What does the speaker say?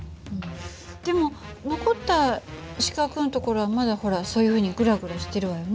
でも残った四角のところはまだほらそういうふうにグラグラしてるわよね。